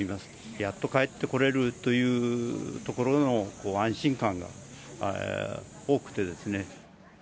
やっと帰ってこれるというところの安心感が多くてですね。